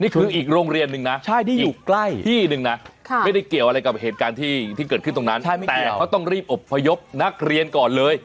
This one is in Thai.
อีกโรงเรียนหนึ่งนะที่อยู่ใกล้ที่หนึ่งนะไม่ได้เกี่ยวอะไรกับเหตุการณ์ที่เกิดขึ้นตรงนั้นแต่เขาต้องรีบอบพยพนักเรียนก่อนเลย